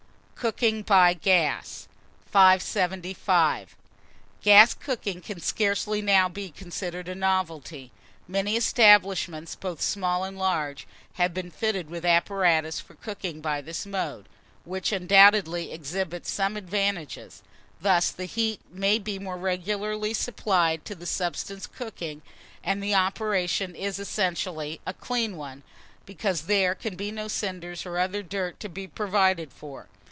COOKING BY GAS. [Illustration: GAS STOVE.] 575. GAS COOKING can scarcely now be considered a novelty, many establishments, both small and large, have been fitted with apparatus for cooking by this mode, which undoubtedly exhibits some advantages. Thus the heat may be more regularly supplied to the substance cooking, and the operation is essentially a clean one, because there can be no cinders or other dirt to be provided for.